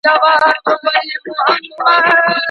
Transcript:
ایا په افغانستان کي د حقوقو پوهنځی مینه وال لري؟